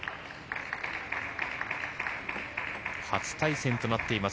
初対戦となっています